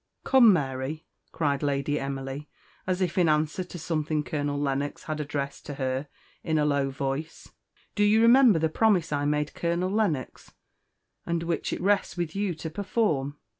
"Come, Mary," cried Lady Emily, as if in answer to something Colonel Lennox had addressed to her in a low voice, "do you remember the promise I made Colonel Lennox, and which it rests with you to perform?"